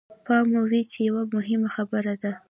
پام مو وي چې يوه مهمه خبره ده.